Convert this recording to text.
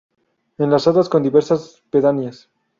Enlazadas con diversas pedanías.